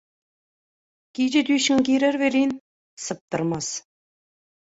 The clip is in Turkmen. giýje düýşüňe girer welin – sypdyrmaz.